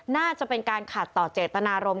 น่าจะเป็นการขัดต่อเจตนารมณ์